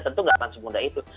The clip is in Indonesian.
tentu nggak akan semudah itu